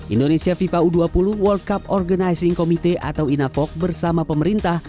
indonesia fifa u dua puluh world cup organizing committee atau inafok bersama pemerintah